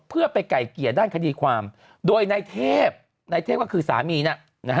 เพื่อไปไก่เกียร์ด้านคดีความโดยนายเทพนายเทพก็คือสามีนะ